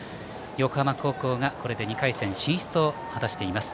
横浜高校が、これで２回戦進出を果たしています。